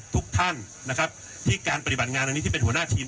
ทุกท่านนะครับที่การปฏิบัติงานอันนี้ที่เป็นหัวหน้าทีม